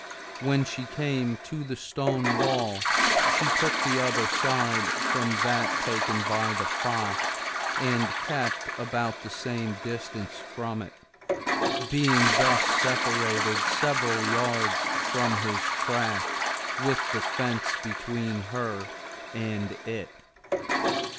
When she came to the stone wall she took the other side from that taken by the fox, and kept about the same distance from it, being thus separated several yards from his track, with the fence between her and it.